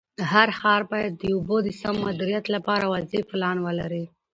هر ښار باید د اوبو د سم مدیریت لپاره واضح پلان ولري.